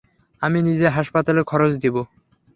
আমি নিজে হাসপাতালের খরচ দিব।